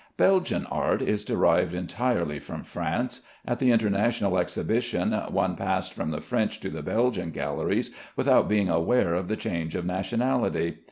Belgian art is derived entirely from France. At the International Exhibition one passed from the French to the Belgian galleries without being aware of the change of nationality.